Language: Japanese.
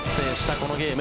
このゲーム。